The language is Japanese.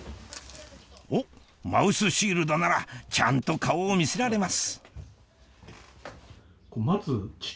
おっマウスシールドならちゃんと顔を見せられます